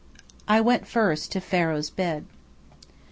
I went first to "Pharaoh's Bed."